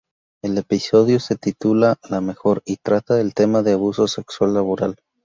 El episodio se titula "La mejor" y trata el tema del abuso sexual laboral.